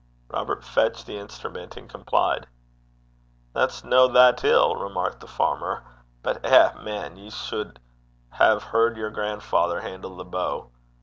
Robert fetched the instrument and complied. 'That's no that ill,' remarked the farmer. 'But eh! man, ye suld hae heard yer gran'father han'le the bow.